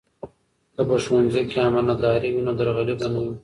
که په ښوونځي کې امانتداري وي نو درغلي به نه وي.